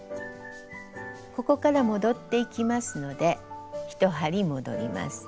ここから戻っていきますので１針戻ります。